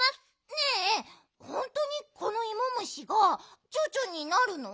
ねえほんとにこのイモ虫がチョウチョになるの？